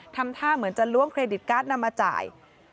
ทำท่าเหมือนจะล้วงเครดิตการ์ดนำมาจ่าย